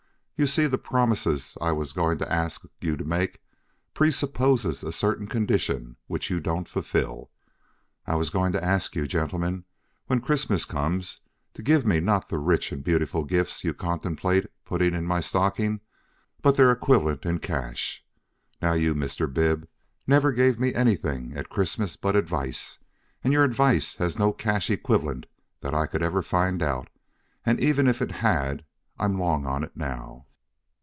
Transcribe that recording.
You see, the promise I was going to ask you to make presupposes a certain condition which you don't fulfil. I was going to ask you, gentlemen, when Christmas comes to give me not the rich and beautiful gifts you contemplate putting into my stocking, but their equivalent in cash. Now you, Mr. Bib, never gave me anything at Christmas but advice, and your advice has no cash equivalent that I could ever find out, and even if it had I'm long on it now.